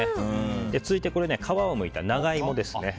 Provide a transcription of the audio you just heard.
続いて皮をむいた長イモですね。